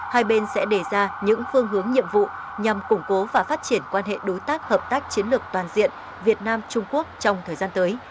hai bên sẽ đề ra những phương hướng nhiệm vụ nhằm củng cố và phát triển quan hệ đối tác hợp tác chiến lược toàn diện việt nam trung quốc trong thời gian tới